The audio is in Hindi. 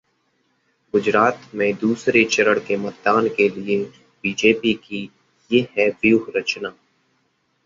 गुजरात में दूसरे चरण के मतदान के लिए बीजेपी की ये है व्यूह रचना